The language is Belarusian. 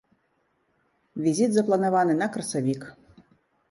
Візіт запланаваны на красавік.